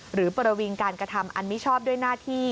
ประวิงการกระทำอันมิชอบด้วยหน้าที่